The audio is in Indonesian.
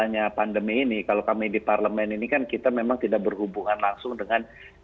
karena pandemi ini kalau kami di parlemen ini kan kita memang tidak berhubungan langsung dengan